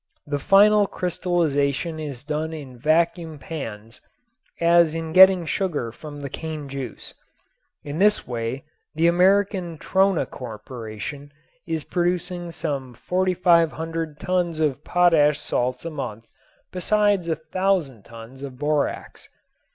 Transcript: The final crystallization is done in vacuum pans as in getting sugar from the cane juice. In this way the American Trona Corporation is producing some 4500 tons of potash salts a month besides a thousand tons of borax.